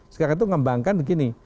sekarang itu mengembangkan begini